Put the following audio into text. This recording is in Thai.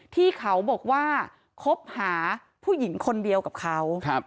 ที่เขาบอกว่าคบหาผู้หญิงคนเดียวกับเขา